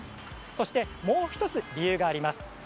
そしてもう１つ理由があります。